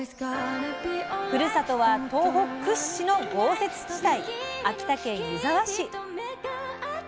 ふるさとは東北屈指の豪雪地帯秋田県湯沢市。